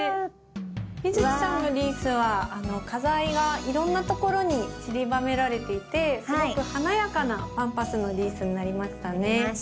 美月さんのリースは花材がいろんなところにちりばめられていてすごく華やかなパンパスのリースになりましたね。